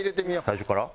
最初から？